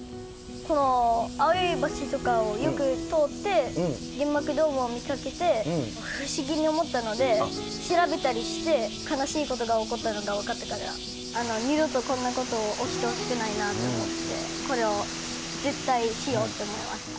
この相生橋とかをよく通って原爆ドームを見かけて、不思議に思ったので、調べたりして悲しいことが起こったのが分かったから、二度とこんなこと起きてほしくないなと思って、これを絶対しようと思いました。